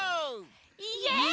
イエイ！